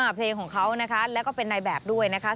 เพลงของเขานะคะแล้วก็เป็นนายแบบด้วยนะคะ